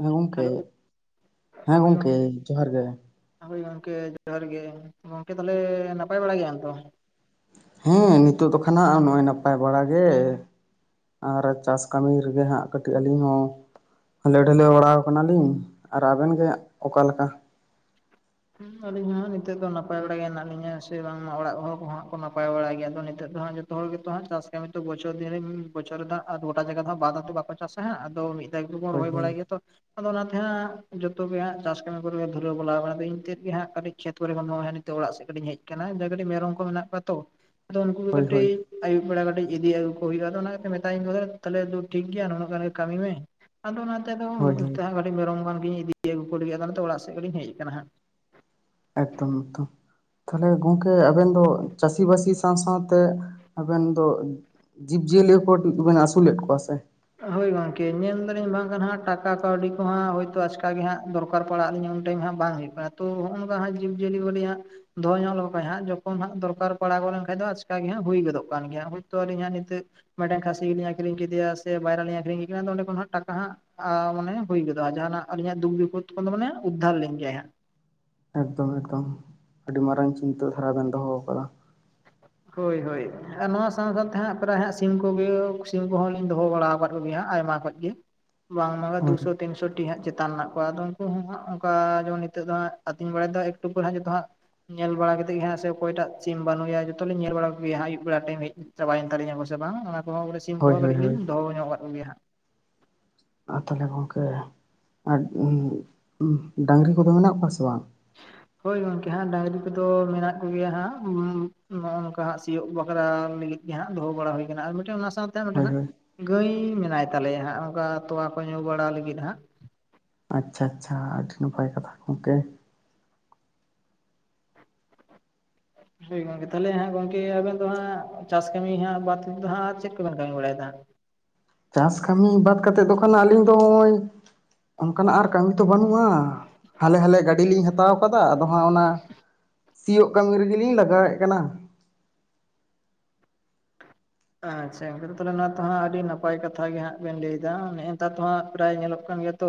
ᱦᱮᱸ ᱜᱚᱢᱠᱮ ᱦᱮᱞᱳ [inaudible] ᱦᱮᱸ ᱦᱳᱭ ᱜᱚᱢᱠᱮ ᱜᱚᱝᱠᱮ ᱡᱚᱦᱟᱨ ᱜᱮ᱾ ᱦᱳᱭ ᱜᱚᱝᱠᱮ ᱡᱚᱦᱟᱨ ᱜᱮ ᱾ᱜᱚᱝᱠᱮ ᱛᱟᱦᱚᱞᱮ ᱱᱟᱯᱟᱭ ᱵᱟᱲᱟ ᱜᱮᱭᱟᱢ ᱛᱚ? ᱦᱮᱸ ᱱᱤᱛᱳ ᱫᱚ ᱠᱷᱟᱱ ᱦᱟᱜ ᱱᱚᱜᱼᱚᱭ ᱱᱟᱯᱟᱭ ᱵᱟᱲᱟ ᱜᱮ᱾ ᱟᱨ ᱪᱟᱥ ᱠᱟᱹᱢᱤ ᱨᱮᱜᱮ ᱦᱟᱸᱜ ᱠᱟᱹᱴᱤᱡ ᱟᱹᱞᱤᱧ ᱦᱚᱸ ᱦᱟᱞᱮ ᱰᱟᱞᱮ ᱵᱟᱲᱟᱣ ᱠᱟᱱᱟᱞᱤᱧ᱾ᱟᱨ ᱟᱵᱮᱱ ᱜᱮ ᱚᱠᱟ ᱞᱮᱠᱟ? ᱦᱮᱸ ᱟᱞᱤᱧ ᱦᱚᱸ ᱱᱤᱛᱚᱜ ᱫᱚ ᱱᱟᱯᱟᱭ ᱵᱟᱲᱟ ᱜᱮ ᱦᱮᱱᱟᱜ ᱞᱤᱧᱟ, ᱥᱮ ᱵᱟᱝᱢᱟ ᱚᱲᱟᱜ ᱦᱚᱲ ᱠᱚᱦᱚ ᱦᱟᱜ ᱠᱚ ᱱᱟᱯᱟᱭ ᱵᱟᱲᱟ ᱜᱮᱭᱟ, ᱟᱫᱚ ᱱᱤᱛᱚᱜ ᱫᱚ ᱦᱟᱜ ᱡᱚᱛ ᱡᱚᱛᱚ ᱦᱚᱲ ᱜᱮᱛᱚ ᱦᱟᱸ ᱪᱟᱥ ᱠᱟᱢᱤ ᱛᱚ ᱵᱚᱪᱷᱚᱨ ᱫᱤᱱ ᱨᱮ ᱵᱚᱪᱷᱚᱨ ᱫᱟᱜ ᱟᱨᱫᱚ ᱜᱚᱴᱟ ᱡᱟᱭᱜᱟ ᱫᱚ ᱵᱟᱫ ᱫᱟᱜ ᱫᱚ ᱵᱟᱠᱚ ᱪᱟᱥᱟ ᱦᱟᱸᱜ ᱟᱫᱚ ᱢᱤᱫ [unintelligible] ᱦᱳᱭ ᱨᱚᱦᱚᱭ ᱦᱳᱭ ᱵᱟᱲᱟᱭ ᱜᱮᱭᱟ ᱛᱚ ᱟᱫᱚ ᱚᱱᱟᱛᱮ ᱦᱟᱸᱜ ᱡᱚᱛᱚᱜ ᱜᱮ ᱦᱟᱸᱜ ᱪᱟᱥ ᱠᱟᱹᱢᱤ ᱠᱚᱨᱮ ᱫᱷᱩᱨᱟᱹᱣ ᱵᱟᱞᱟ ᱟᱠᱟᱱᱟ ᱫᱚ ᱤᱧ ᱛᱮᱫ ᱜᱮ ᱦᱟᱸᱜ ᱠᱟᱹᱴᱤᱡ ᱠᱷᱮᱛ ᱠᱚᱨᱮ ᱠᱷᱚᱱ ᱱᱤᱛᱚᱜ ᱚᱲᱟᱜ ᱥᱮᱫ ᱠᱟᱹᱴᱤᱡ ᱤᱧ ᱦᱮᱡ ᱠᱟᱱᱟ ᱰᱟᱜᱽᱨᱤ ᱢᱮᱨᱚᱢ ᱠᱚ ᱢᱮᱱᱟᱜ ᱠᱚᱣᱟ ᱛᱚ᱾ [unintelligible] ᱦᱳᱭ ᱦᱳᱭ ᱠᱟᱹᱴᱤᱡ ᱟᱭᱩᱵ ᱵᱮᱲᱟ ᱠᱟᱹᱴᱤᱡ ᱤᱫᱤ ᱟᱹᱜᱩ ᱦᱩᱭᱩᱜᱼᱟ ᱚᱱᱟ ᱠᱟᱛᱮ ᱢᱮᱛᱟ ᱟᱹᱧ ᱫᱚ ᱛᱟᱦᱚᱞᱮ ᱫᱩ ᱴᱷᱤᱠ ᱜᱮᱭᱟ ᱱᱚᱜᱠᱟ ᱠᱟᱹᱢᱤ ᱢᱮ ᱟᱫᱚ ᱚᱱᱟᱛᱮ ᱫᱚ ᱦᱳᱭ ᱦᱳᱭ ᱚᱱᱛᱮ ᱠᱟᱹᱴᱤᱡ ᱢᱮᱨᱚᱢ ᱜᱟᱱ ᱜᱤᱧ ᱤᱫᱤ ᱟᱹᱜᱩ ᱠᱚ ᱞᱟᱹᱜᱤᱫ ᱟᱫᱚ ᱚᱱᱟᱛᱮ ᱚᱲᱟᱜ ᱥᱮᱫ ᱠᱟᱴᱤᱡᱤᱧ ᱦᱮᱡ ᱟᱠᱟᱱᱟ ᱦᱟᱸᱜ᱾ ᱮᱠᱫᱚᱢ ᱮᱠᱫᱚᱢ ᱛᱟᱦᱞᱮ ᱜᱚᱝᱠᱮ ᱟᱵᱮᱱ ᱫᱚ ᱪᱟᱹᱥᱤ ᱵᱟᱹᱥᱤ ᱥᱟᱶ ᱥᱟᱶᱛᱮ ᱟᱵᱮᱱ ᱫᱚ ᱡᱤᱵᱽᱼᱡᱤᱭᱟᱹᱞᱤ ᱠᱚ ᱵᱮᱱ ᱟᱹᱥᱩᱞᱮᱫ ᱠᱚᱣᱟ ᱥᱮ ᱦᱳᱭ ᱜᱚᱝᱠᱮ ᱧᱮᱞ ᱫᱟᱞᱤᱧ ᱵᱟᱝ ᱠᱷᱟᱱ ᱦᱟᱜ ᱴᱟᱠᱟ ᱠᱟᱹᱣᱰᱤ ᱠᱚᱦᱟᱜ ᱦᱳᱭᱛᱳ ᱟᱪᱠᱟ ᱜᱮ ᱦᱟᱸᱜ ᱫᱚᱨᱠᱟᱨ ᱫᱚᱨᱠᱟᱨ ᱯᱟᱲᱟᱜ ᱞᱤᱧᱟ ᱩᱱ ᱴᱟᱤᱢ ᱦᱟᱜ ᱵᱟᱝ ᱦᱩᱭᱩᱜᱼᱟ [unintelligible] ᱡᱤᱵᱽᱡᱤᱭᱟᱹᱞᱤ ᱟᱸᱜ ᱫᱚᱦᱚ ᱧᱚᱜ ᱞᱮᱠᱚ ᱠᱷᱟᱡ ᱦᱟᱸᱜ ᱡᱚᱠᱷᱚᱱ ᱦᱟᱸᱜ ᱫᱚᱨᱠᱟᱨ ᱯᱟᱲᱟᱣ ᱜᱚᱫ ᱞᱮᱱᱠᱷᱟᱡ ᱫᱚ ᱟᱪᱠᱟᱜ ᱜᱮ ᱦᱟᱸᱜ ᱦᱩᱭ ᱜᱚᱫᱚᱜ ᱠᱟᱱ ᱜᱮᱭᱟ, ᱦᱳᱭᱛᱳ ᱟᱹᱞᱤᱧ ᱦᱟᱸᱜ ᱱᱤᱛᱚᱜ ᱢᱤᱫᱴᱟᱝ ᱠᱷᱟᱹᱥᱤ ᱞᱤᱧ ᱟᱠᱷᱨᱤᱧ ᱠᱮᱫᱮᱭᱟ ᱥᱮ ᱵᱟᱭᱨᱟ ᱞᱤᱧ ᱟᱠᱷᱨᱤᱧ ᱠᱮᱫᱠᱤᱱᱟ ᱟᱫᱚ ᱚᱸᱰᱮ ᱠᱷᱚᱱ ᱦᱚ ᱴᱟᱠᱟ ᱦᱟᱜ ᱟ ᱢᱟᱱᱮ ᱦᱩᱭ ᱜᱚᱫᱚᱜᱼᱟ ᱡᱟᱦᱟᱱᱟᱜ ᱟᱹᱞᱤᱧᱟᱜ ᱫᱩᱠ ᱵᱤᱯᱚᱫ ᱠᱷᱚᱱ ᱫᱚ ᱢᱟᱱᱮ ᱩᱫᱽᱫᱷᱟᱨ ᱞᱤᱧ ᱜᱮᱭᱟᱭ ᱦᱟᱸᱜ ᱮᱠᱫᱚᱢ ᱮᱠᱫᱚᱢ ᱟᱹᱰᱤ ᱢᱟᱨᱟᱝ ᱪᱤᱱᱛᱟᱹ ᱫᱷᱟᱨᱟ ᱵᱮᱱ ᱫᱚᱦᱚ ᱟᱠᱟᱫᱟ ᱦᱳᱭ ᱦᱳᱭ ᱟᱨ ᱱᱚᱣᱟ ᱥᱟᱶ ᱥᱟᱶᱛᱮ ᱦᱟᱸᱜ ᱯᱨᱟᱨᱟᱭ ᱦᱟᱸᱜ ᱥᱤᱢ ᱠᱚᱜᱮ ᱥᱤᱢ ᱠᱚᱦᱚᱸ ᱞᱤᱧ ᱫᱚᱦᱚ ᱵᱟᱲᱟ ᱠᱟᱫ ᱟᱹᱜ [unintelligible] ᱟᱭᱢᱟ ᱠᱷ ᱜᱮ ᱵᱟᱝᱢᱟ ᱦᱳᱭ ᱫᱩᱥᱚ ᱛᱤᱱᱥᱚ ᱴᱤ ᱦᱟᱸᱜ ᱪᱮᱛᱟᱱ ᱢᱮᱱᱟᱜ ᱠᱚᱣᱟ ᱟᱫᱚ ᱩᱱᱠᱩ ᱦᱚᱸ ᱦᱟᱸᱜ ᱚᱱᱠᱟ ᱡᱮᱢᱚᱱ ᱱᱤᱛᱚᱜ ᱫᱚ ᱦᱟᱸᱜ ᱟᱹᱛᱤᱧ ᱵᱟᱲᱟᱭᱮᱫ ᱮᱠᱴᱩ ᱯᱚᱨᱮ ᱦᱟᱸᱜ ᱡᱚᱛᱚ ᱦᱟᱜ ᱧᱮᱞ ᱵᱟᱲᱟ ᱠᱟᱛᱮᱫ ᱜᱮ ᱦᱟᱜ ᱥᱮ ᱚᱠᱚᱭᱴᱟᱜ ᱥᱤᱢ ᱵᱟᱹᱱᱩ ᱜᱮᱭᱟ ᱡᱚᱛᱚ ᱞᱤᱧ ᱧᱮᱞ ᱵᱟᱲᱟ ᱠᱚᱜᱮᱭᱟ ᱟᱭᱩᱵ ᱵᱮᱲᱟ ᱴᱟᱭᱤᱢ ᱦᱮᱡ ᱪᱟᱵᱟ ᱛᱟᱞᱤᱧᱟ ᱠᱚ ᱥᱮ ᱵᱟᱝ ᱚᱱᱟ ᱠᱚᱦᱚᱸ ᱥᱤᱢ ᱦᱳᱭ ᱠᱚᱦᱚᱸ ᱦᱳᱭ ᱠᱟᱹᱴᱤᱡ ᱦᱳᱭ ᱞᱤᱧ ᱫᱚᱦᱚ ᱧᱚᱜ ᱟᱠᱟᱫ ᱜᱮᱭᱟ ᱦᱟᱜ ᱟᱨ ᱛᱟᱦᱞᱮ ᱜᱚᱢᱠᱮ ᱟᱨ ᱰᱟᱝᱨᱤ ᱠᱚᱫᱚ ᱢᱮᱱᱟᱜ ᱠᱚᱣᱟ ᱥᱮ ᱵᱟᱝ? ᱦᱳᱭ ᱜᱚᱝᱠᱮ ᱦᱟᱸᱜ ᱰᱟᱝᱨᱤ ᱠᱚᱫᱚ ᱢᱮᱱᱟᱜ ᱠᱚᱜᱮᱭᱟ ᱦᱟᱸᱜ ᱱᱚᱜᱼ ᱱᱚᱝᱠᱟ ᱦᱟᱸᱜ ᱥᱤᱭᱳᱜ ᱵᱟᱠᱷᱨᱟ ᱞᱟᱜᱤᱫ ᱜᱮ ᱦᱟᱸᱜ ᱫᱚᱦᱚ ᱵᱟᱲᱟ ᱦᱩᱭ ᱟᱠᱟᱱᱟ ᱟᱨ ᱢᱤᱫᱴᱟᱝ ᱚᱱᱟ ᱥᱟᱶ ᱢᱤᱫᱴᱟᱝ ᱱᱚᱰᱮ ᱦᱳᱭ ᱦᱟᱸᱜ ᱦᱳᱭ ᱜᱟᱹᱭ ᱢᱮᱱᱟᱭ ᱛᱟᱞᱮᱭᱟ ᱦᱟᱸᱜ ᱚᱱᱠᱟ ᱛᱚᱣᱟ ᱠᱚ ᱧᱩ ᱵᱟᱲᱟ ᱞᱟᱹᱜᱤᱫ ᱦᱟᱸᱜ ᱟᱪᱪᱷᱟ ᱟᱪᱪᱷᱟ ᱟᱹᱰᱤ ᱱᱟᱯᱟᱭ ᱠᱟᱛᱷᱟ ᱜᱚᱝᱠᱮ ᱦᱳᱭ ᱜᱚᱝᱠᱮ ᱛᱟᱦᱚᱞᱮ ᱦᱟᱸᱜ ᱜᱚᱝᱠᱮ ᱟᱵᱮᱱ ᱫᱚ ᱦᱟᱸᱜ ᱪᱟᱥ ᱠᱟᱹᱢᱤ ᱦᱟᱸᱜ ᱵᱟᱫ ᱛᱮ ᱫᱚ ᱦᱟᱸᱜ ᱪᱮᱫ ᱠᱚᱵᱮᱱ ᱠᱟᱹᱢᱤ ᱵᱟᱲᱟᱭᱮᱫᱟ ᱦᱟᱸᱜ ᱪᱟᱥ ᱠᱟᱹᱢᱤ ᱵᱟᱫ ᱠᱟᱛᱮᱫ ᱫᱚ ᱠᱷᱟᱱ ᱟᱹᱞᱤᱧ ᱫᱚ ᱱᱚᱜᱼᱚᱭ ᱚᱱᱠᱟᱱᱟᱜ ᱟᱨ ᱠᱟᱹᱢᱤ ᱛᱚ ᱵᱟᱹᱱᱩᱜᱼᱟ ᱦᱟᱞᱮ ᱦᱟᱞᱮ ᱜᱟᱹᱰᱤ ᱞᱤᱧ ᱦᱟᱛᱟᱣ ᱟᱠᱟᱫᱟ ᱟᱫᱚ ᱦᱟᱜ ᱚᱱᱟ ᱥᱤᱭᱳᱜ ᱠᱟᱹᱢᱤ ᱨᱮᱜᱮᱞᱤᱧ ᱞᱟᱜᱟᱭᱮᱜ ᱠᱟᱱᱟ ᱟᱪᱪᱷᱟ ᱜᱚᱝᱠᱮ ᱱᱚᱣᱟ ᱛᱚ ᱦᱟᱸᱜ ᱟᱹᱰᱤ ᱱᱟᱯᱟᱭ ᱠᱟᱛᱷᱟ ᱜᱮ ᱦᱟᱸᱜ ᱵᱮᱱ ᱞᱟᱹᱭᱮᱫᱟ ᱱᱮ ᱱᱮᱛᱟᱨ ᱫᱚᱦᱟᱸ ᱯᱨᱟᱭ ᱧᱮᱞᱚᱜ ᱠᱟᱱ ᱜᱮᱭᱟ ᱛᱚ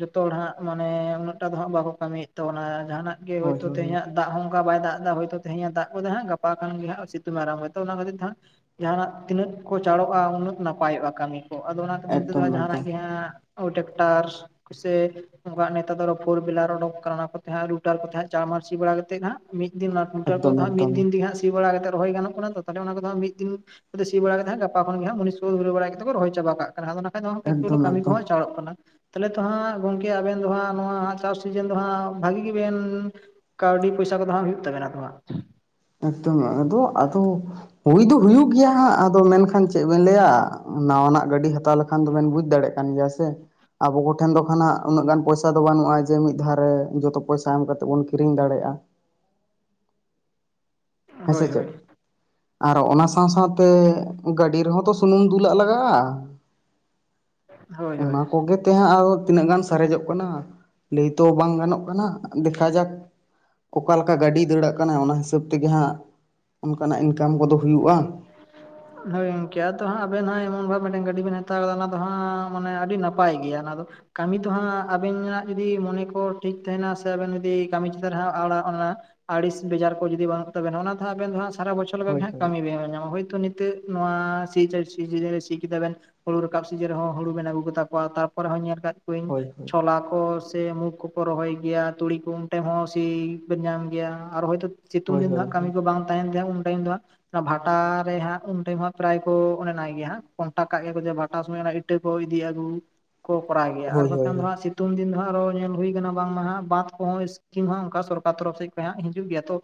ᱡᱚᱛᱚ ᱦᱚᱲ ᱦᱟᱸᱜ ᱢᱟᱱᱮ ᱩᱱᱟᱜ ᱴᱟᱜ ᱫᱚ ᱦᱟᱸᱜ ᱵᱟᱠᱚ ᱠᱟᱹᱢᱤᱭᱮᱫ ᱛᱟᱵᱚᱱᱟ ᱡᱟᱦᱟᱱᱟᱜ ᱜᱮ ᱦᱳᱭ ᱦᱳᱭᱛᱳ ᱦᱳᱭ ᱛᱮᱦᱮᱧᱟᱜ ᱫᱟᱜ ᱦᱚᱸ ᱚᱱᱠᱟ ᱵᱟᱭ ᱫᱟᱜ ᱮᱫᱟ ᱦᱳᱭᱛᱳ ᱛᱮᱦᱮᱧᱮ ᱫᱟᱜ ᱜᱚᱫᱟ ᱦᱟᱜ ᱜᱟᱯᱟ ᱠᱷᱚᱱ ᱜᱮ ᱦᱟᱸᱜ ᱥᱤᱛᱩᱝ ᱟᱨᱟᱢᱵᱚ ᱛᱚ ᱚᱱᱟ ᱠᱷᱟᱹᱛᱤᱨ ᱦᱟᱸᱜ ᱡᱟᱦᱱᱟᱜ ᱛᱤᱱᱟᱹᱜ ᱠᱚ ᱪᱟᱲᱚᱜᱼᱟ ᱩᱱᱟᱹᱜ ᱱᱟᱯᱟᱭᱚᱜᱼᱟ ᱠᱟᱹᱢᱤ ᱠᱚ ᱟᱫᱚ ᱚᱱᱟ ᱠᱷᱟᱛᱤᱨ ᱱᱤᱛ ᱫᱚ ᱮᱠᱫᱚᱢ ᱦᱟᱸᱜ ᱡᱟᱦᱟᱱᱟᱜ ᱮᱠᱫᱚᱢ ᱜᱮ ᱦᱟᱸᱜ ᱳ ᱴᱟᱠᱴᱟᱨᱥ ᱥᱮ ᱚᱱᱠᱟᱱ ᱱᱮᱛᱟᱨ ᱫᱚ ᱯᱷᱳᱨ ᱵᱮᱞᱟ ᱚᱰᱳᱠ ᱠᱟᱱᱟ ᱚᱱᱟ ᱠᱚᱛᱮ ᱦᱟᱸᱜ ᱞᱩᱴᱟᱨ ᱠᱚᱛᱮ ᱟᱸᱜ ᱪᱟᱲ ᱢᱟᱨᱟᱨᱥᱤ ᱵᱟᱲᱟ ᱠᱟ ᱠᱟᱛᱮᱫ ᱦᱟᱸᱜ ᱢᱤᱫ ᱫᱤᱱ ᱚᱱᱟ ᱠᱩᱱᱴᱟᱞ ᱠᱚᱫᱚ ᱮᱠᱫᱚᱢ ᱛᱟᱦᱟᱜ ᱢᱤᱫ ᱮᱠᱫᱚᱢ ᱫᱤᱱ ᱛᱮᱜᱮ ᱦᱟᱜ ᱥᱤ ᱵᱟᱲᱟ ᱠᱟᱛᱮᱫ ᱨᱚᱦᱚᱭ ᱜᱟᱱᱚᱜ ᱠᱟᱱᱟ ᱛᱚ ᱛᱟᱦᱚᱞᱮ ᱚᱱᱟ ᱠᱚᱫᱚ ᱦᱟᱸᱜ ᱢᱤᱫ ᱫᱤᱱ ᱥᱤ ᱵᱟᱲᱟ ᱠᱟᱛᱮ ᱦᱟᱸᱜ ᱜᱮ ᱜᱟᱯᱟ ᱠᱷᱚᱱ ᱜᱮ ᱢᱩᱱᱤᱥ ᱠᱚ ᱫᱷᱩᱨᱟᱣ ᱵᱟᱲᱟ ᱠᱟᱛᱮ ᱨᱚᱦᱚᱭ ᱪᱟᱵᱟ ᱠᱟᱜ ᱟᱫᱚ ᱱᱟ ᱠᱷᱟᱡ ᱫᱚ ᱜᱚᱢᱠᱮ ᱮᱠᱴᱩ ᱦᱚᱞᱮ ᱮᱠᱫᱚᱢ ᱠᱟᱹᱢᱤ ᱮᱠᱫᱚᱢ ᱠᱚᱦᱚᱸ ᱪᱟᱞᱚᱜ ᱠᱟᱱᱟ ᱛᱟᱦᱚᱞᱮ ᱛᱚ ᱦᱟᱸᱜ ᱜᱚᱝᱠᱮ ᱟᱵᱮᱱ ᱫᱚ ᱦᱟᱸᱜ ᱱᱚᱣᱟ ᱪᱟᱥ ᱥᱤᱡᱤᱱ ᱫᱚ ᱦᱟᱸᱜ ᱵᱷᱟᱜᱮ ᱜᱮᱵᱤᱱ ᱠᱟᱹᱣᱰᱤ ᱯᱚᱭᱥᱟ ᱠᱚᱫᱚ ᱦᱟᱜ ᱦᱩᱭᱩᱜ ᱛᱟᱵᱮᱱᱟ ᱛᱚ ᱦᱟᱸᱜ ᱮᱠᱫᱚᱢ ᱟᱫᱚ ᱟᱫᱚ ᱦᱩᱭ ᱫᱚ ᱦᱩᱭᱩᱜ ᱜᱮᱭᱟ ᱦᱟᱸᱜ ᱟᱫᱚ ᱢᱮᱱᱠᱷᱟᱱ ᱪᱮᱫ ᱵᱤᱱ ᱞᱟᱹᱭᱟ ᱱᱟᱣᱟ ᱱᱟᱜ ᱜᱟᱹᱰᱤ ᱦᱟᱛᱟᱣ ᱞᱮᱠᱷᱟᱱ ᱫᱚᱵᱮᱱ ᱵᱩᱡᱽ ᱫᱟᱲᱮᱭᱟᱜ ᱠᱟᱱ ᱜᱮᱭᱟ ᱥᱮ ᱟᱵᱚ ᱠᱚᱴᱷᱮᱱ ᱫᱚ ᱠᱷᱚᱱᱟᱜ ᱩᱱᱟᱹᱜ ᱜᱟᱱ ᱯᱚᱭᱥᱟ ᱫᱚ ᱵᱟᱹᱱᱩᱜᱼᱟ ᱡᱮ ᱢᱤᱫ ᱫᱷᱟᱨᱮ ᱨᱮ ᱡᱚᱛᱚ ᱯᱚᱭᱥᱟ ᱮᱢ ᱠᱟᱛᱮᱫ ᱵᱚᱱ ᱠᱤᱨᱤᱧ ᱫᱟᱲᱮᱭᱟᱜᱼᱟ ᱦᱮᱸ ᱦᱳᱭ ᱥᱮ ᱪᱮᱫ? ᱦᱳᱭ ᱟᱨ ᱚᱱᱟ ᱥᱟᱶ ᱥᱟᱶᱛᱮ ᱜᱟᱹᱰᱤ ᱨᱮᱦᱚᱸ ᱛᱚ ᱥᱩᱱᱩᱢ ᱫᱩᱞᱟᱜ ᱞᱟᱜᱟᱜᱼᱟ ᱦᱳᱭ ᱦᱳᱭ ᱚᱱᱟ ᱠᱚᱜᱮ ᱛᱮ ᱦᱟᱸᱜ ᱟᱨᱦᱚ ᱛᱤᱱᱟᱹᱜ ᱜᱟᱱ ᱥᱟᱨᱮᱡᱚᱜ ᱠᱟᱱᱟ ᱞᱟᱹᱭ ᱛᱚ ᱵᱟᱝ ᱜᱟᱱᱚᱜ ᱠᱟᱱᱟ ᱫᱮᱠᱷᱟ ᱡᱟᱠ ᱚᱠᱟᱞᱮᱠᱟ ᱜᱟᱹᱰᱤ ᱫᱟᱹᱲᱟᱜ ᱠᱟᱱᱟ ᱚᱱᱟ ᱦᱤᱥᱟᱹᱵ ᱛᱮᱜᱮ ᱦᱟᱸᱜ ᱚᱱᱠᱟᱱᱟᱜ ᱤᱱᱠᱟᱢ ᱠᱚᱫᱚ ᱦᱩᱭᱩᱜᱼᱟ [unintelligible] ᱦᱳᱭ ᱜᱚᱝᱠᱮ ᱟᱫᱚ ᱦᱟᱸᱜ ᱟᱵᱮᱱ ᱦᱟᱸᱜ ᱮᱢᱚᱱ ᱵᱷᱟᱵ ᱢᱤᱫᱴᱮᱱ ᱜᱟᱹᱰᱤ ᱵᱮᱱ ᱦᱟᱛᱟᱣ ᱠᱟᱫᱟ ᱚᱱᱟ ᱫᱚ ᱦᱟᱸᱜ ᱢᱟᱱᱮ ᱟᱹᱰᱤ ᱱᱟᱯᱟᱭ ᱜᱮᱭᱟ ᱚᱱᱟ ᱫᱚ ᱠᱟᱹᱢᱤ ᱫᱚᱦᱟᱸᱜ ᱟᱵᱮᱱᱟᱜ ᱡᱩᱫᱤ ᱢᱚᱱᱮ ᱠᱚ ᱴᱷᱤᱠ ᱛᱟᱦᱮᱱᱟ ᱥᱮ ᱟᱵᱮᱱ ᱡᱩᱫᱤ ᱠᱟᱹᱢᱤ ᱪᱮᱛᱟᱱ ᱨᱮ ᱦᱟᱜ ᱟᱲᱟᱜ ᱚᱱᱟ ᱟᱹᱲᱤᱥ ᱵᱮᱡᱟᱨ ᱠᱚ ᱡᱩᱫᱤ ᱵᱟᱱᱩᱜ ᱛᱟᱵᱮᱱᱟ ᱚᱱᱟ ᱫᱚ ᱟᱵᱮᱱ ᱥᱟᱨᱟ ᱵᱚᱪᱷᱚᱨ ᱞᱮᱠᱟ ᱜᱮ ᱦᱳᱭ ᱦᱟᱜ ᱦᱳᱭ ᱦᱚᱭ ᱛᱚ ᱱᱤᱛᱟᱜ ᱱᱚᱣᱟ ᱥᱤ ᱪᱮᱛᱟᱱ ᱨᱮ ᱥᱤ ᱠᱮᱫᱟ ᱵᱤᱱ ᱦᱩᱲᱩ ᱨᱟᱠᱟᱵ ᱥᱤᱡᱤᱱ ᱨᱮᱦᱚ ᱦᱩᱲᱩ ᱵᱮᱱ ᱟᱹᱜᱩ ᱠᱟᱛᱟ ᱠᱚᱣᱟ ᱛᱟᱨᱯᱚᱨᱮ ᱦᱚᱸ ᱧᱮᱞ ᱠᱟᱫ ᱦᱚᱸᱧ ᱦᱳᱭ ᱦᱳᱭ ᱪᱷᱚᱞᱟ ᱠᱚ ᱥᱮ ᱢᱩ ᱠᱚ ᱠᱚ ᱨᱚᱦᱚᱭ ᱜᱮᱭᱟ ᱛᱩᱲᱤ ᱠᱚ ᱴᱷᱮ ᱦᱚᱸ ᱥᱤ ᱵᱤᱱ ᱧᱟᱢ ᱜᱮᱭᱟ ᱟᱨ ᱦᱚᱭ ᱛᱚ ᱥᱤᱛᱩᱝ ᱦᱳᱭ ᱫᱤᱱ ᱫᱚ ᱦᱳᱭ ᱠᱟᱹᱢᱤ ᱠᱚ ᱵᱟᱝ ᱛᱟᱦᱮᱱ ᱜᱮᱭᱟ ᱩᱱ ᱴᱟᱭᱤᱢ ᱫᱚ ᱦᱟᱜ ᱚᱱᱟ ᱵᱷᱟᱴᱟ ᱨᱮ ᱦᱟᱸᱜ ᱩᱱ ᱴᱟᱭᱤᱢ ᱦᱟᱸᱜ ᱯᱨᱟᱭ ᱠᱚ ᱚᱱᱟᱭ ᱜᱮᱭᱟ ᱦᱟᱸᱜ ᱠᱚᱱᱴᱟᱠᱴ ᱠᱟᱜ ᱜᱮᱭᱟ ᱡᱮ ᱵᱷᱟᱴᱟ ᱥᱚᱢᱚᱭ ᱤᱴᱟᱹ ᱠᱚ ᱤᱫᱤ ᱟᱹᱜᱩ ᱠᱚ ᱠᱚᱨᱟᱣ ᱜᱮᱭᱟ ᱟᱨ ᱦᱳᱭ ᱦᱳᱭ ᱵᱟᱠᱷᱟᱱ ᱦᱳᱭ ᱦᱟᱸᱜ ᱥᱤᱜ ᱥᱤᱛᱩᱝ ᱫᱤᱱ ᱫᱚ ᱦᱟᱸᱜ ᱟᱨᱦᱚ ᱧᱮᱞ ᱦᱩᱭᱩᱠᱟᱱᱟ ᱵᱟᱝᱢᱟ ᱦᱟᱜ ᱵᱟᱫᱽ ᱠᱚᱦᱚᱸ ᱥᱤᱢ ᱦᱚᱸ ᱚᱱᱠᱟ ᱥᱚᱨᱠᱟᱨ ᱛᱚᱨᱚᱯ ᱥᱮᱫ ᱠᱷᱚᱡ ᱦᱟᱸᱜ ᱦᱤᱡᱩᱜ ᱜᱮᱭᱟ ᱛᱚ